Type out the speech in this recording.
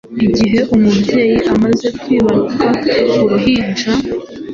Igihe umubyeyi amaze kwibaruka uruhinja,